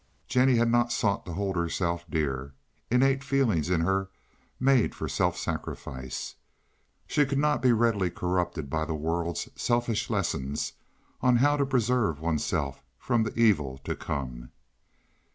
Jennie had not sought to hold herself dear. Innate feeling in her made for self sacrifice. She could not be readily corrupted by the world's selfish lessons on how to preserve oneself from the evil to come.